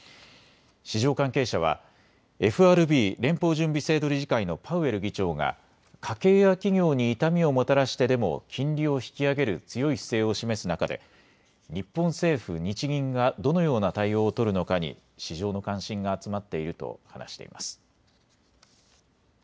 市場関係者はＦＲＢ・連邦準備制度理事会のパウエル議長が家計や企業に痛みをもたらしてでも金利を引き上げる強い姿勢を示す中で日本政府、日銀がどのような対応を取るのかに市場の関心が集まっていると話しています。